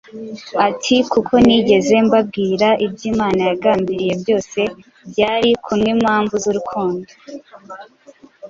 ati, “Kuko ntigeze mbabwira ibyo Imana yagambiriye byose byari kunwimpamvu zurukundo.